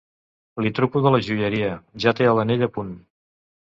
Li truco de la joieria, ja té l'anell a punt.